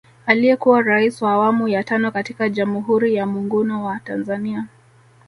Aliyekuwa Rais wa awamu ya tano katika Jamuhuri ya Munguno wa Tanzania